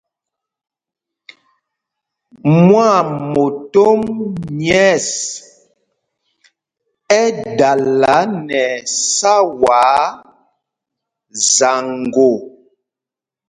Mwâmotom nyɛ̂ɛs ɛ́ dala nɛ ɛsáwaa zaŋgo.